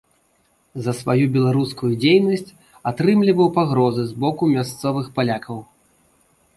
За сваю беларускую дзейнасць атрымліваў пагрозы з боку мясцовых палякаў.